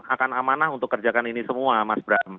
akan amanah untuk kerjakan ini semua mas bram